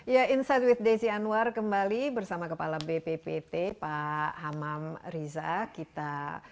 ya insight with desi anwar kembali bersama kepala bppt pak hamam riza kita